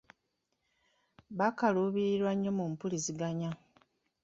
Baakaluubirirwa nnyo mu mpuliziganya.